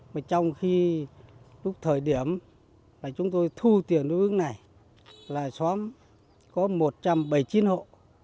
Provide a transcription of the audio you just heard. mà trong khi lúc thời điểm là chúng tôi thu tiền đối ứng này là xóm có một trăm bảy mươi chín hộ